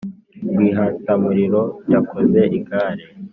Rwihatamurimo, yakoze igare